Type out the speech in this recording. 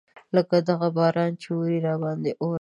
لکه دغه باران چې اوري راباندې اوري.